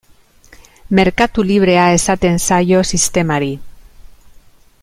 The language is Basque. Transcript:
Merkatu librea esaten zaio sistemari.